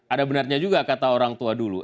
ada benarnya juga kata orang tua dulu